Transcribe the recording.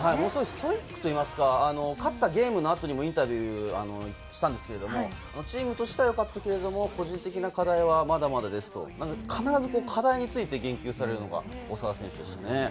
ストイックといいますか、勝ったゲームの後にもインタビューしたんですが、チームとしてはよかったんですが、個人的な課題はまだまだですと、必ず課題について言及されるのが長田選手でしたね。